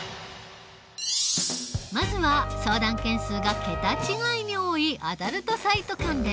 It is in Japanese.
まずは相談件数が桁違いに多いアダルトサイト関連。